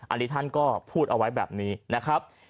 อันนี้ท่านก็พูดเอาไว้แบบนี้นะครับ